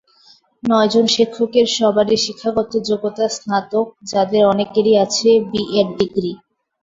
নয়জন শিক্ষকের সবারই শিক্ষাগত যোগ্যতা স্নাতক, যাঁদের অনেকেরই আছে বিএড ডিগ্রি।